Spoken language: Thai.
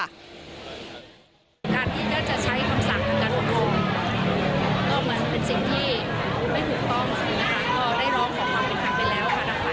ในการที่จะตัดสินแผนแล้ว